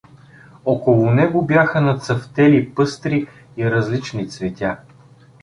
Около него бяха нацъфтели пъстри и различни цветя.